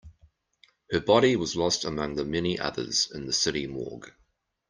Her body was lost among the many others in the city morgue.